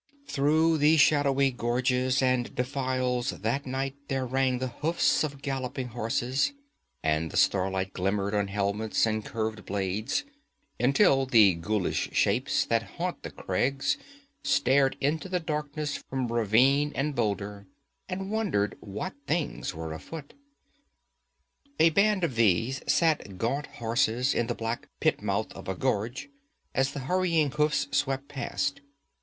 Through the shadowy gorges and defiles that night there rang the hoofs of galloping horses, and the starlight glimmered on helmets and curved blades, until the ghoulish shapes that haunt the crags stared into the darkness from ravine and boulder and wondered what things were afoot. A band of these sat gaunt horses in the black pitmouth of a gorge as the hurrying hoofs swept past.